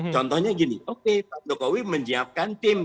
contohnya gini oke pak jokowi menyiapkan tim